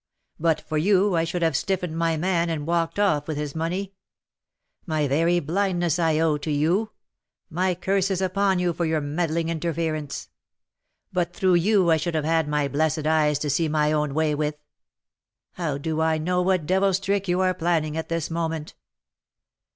But for you, I should have 'stiffened' my man and walked off with his money. My very blindness I owe to you; my curses upon you for your meddling interference! But through you I should have had my blessed eyes to see my own way with. How do I know what devil's trick you are planning at this moment?"